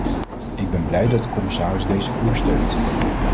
Ik ben blij dat de commissaris deze koers steunt.